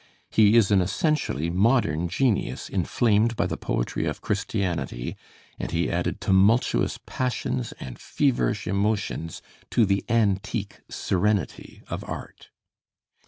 He is an essentially modern genius inflamed by the poetry of Christianity, and he added tumultuous passions and feverish emotions to the antique serenity of art.